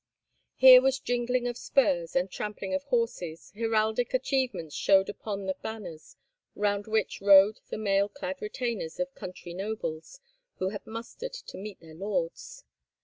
Here was jingling of spurs and trampling of horses; heraldic achievements showed upon the banners, round which rode the mail clad retainers of country nobles who had mustered to meet their lords.